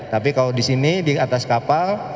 tapi kalau di sini di atas kapal